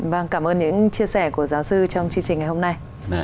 vâng cảm ơn những chia sẻ của giáo sư trong chương trình ngày hôm nay